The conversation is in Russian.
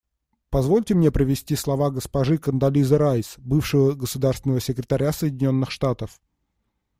Позвольте мне привести слова госпожи Кондолизы Райс, бывшего государственного секретаря Соединенных Штатов.